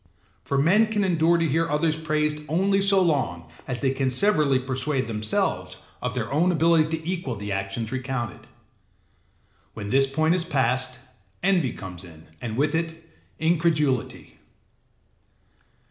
For men can endure to hear others praised only so long as they can severally persuade themselves of their own ability to equal the actions recounted: when this point is passed, envy comes in and with it incredulity.